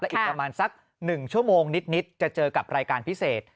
อีกประมาณสัก๑ชั่วโมงนิดจะเจอกับรายการพิเศษ